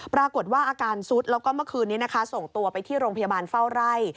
ปรากฏว่าอาการซุดแล้วก็เมื่อคืนนี้นะคะส่งตัวไปที่โรงพยาบาลเฝ้าไร่